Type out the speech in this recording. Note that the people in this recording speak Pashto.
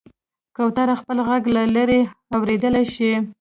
کوتره خپل غږ له لرې اورېدلی شي.